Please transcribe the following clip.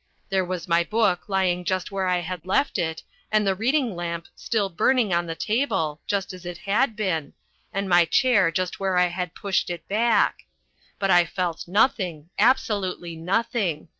There was my book lying just where I had left it and the reading lamp still burning on the table, just as it had been, and my chair just where I had pushed it back. But I felt nothing, absolutely nothing.